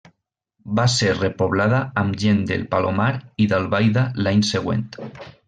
Va ser repoblada amb gent del Palomar i d'Albaida l'any següent.